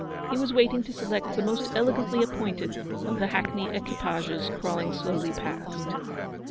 He was waiting to select the most elegantly appointed of the hackney equipages crawling slowly past.